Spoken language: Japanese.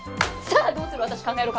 さあどうする？